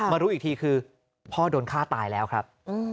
รู้อีกทีคือพ่อโดนฆ่าตายแล้วครับ